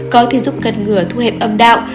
có thì giúp cân ngừa thu hẹp âm đạo